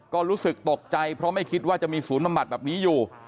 ก็รู้สึกตกใจเพราะไม่คิดว่าจะมีศูนย์บำบัดแบบนี้อยู่